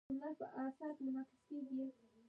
ما د مایکروفون غږ ټیون کړ.